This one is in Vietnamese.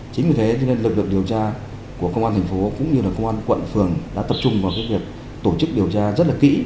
chính vì thế lực lượng điều tra của công an thành phố cũng như công an quận phường đã tập trung vào việc tổ chức điều tra rất kỹ